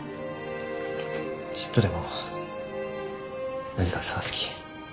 ちっとでも何か探すき。